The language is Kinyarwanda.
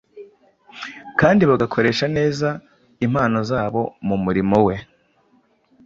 kandi bagakoresha neza impano zabo mu murimo We.